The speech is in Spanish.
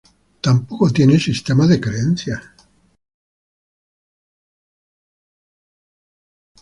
Tampoco tiene sistema de creencias.